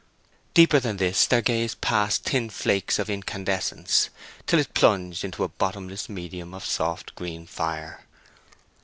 Deeper than this their gaze passed thin flakes of incandescence, till it plunged into a bottomless medium of soft green fire.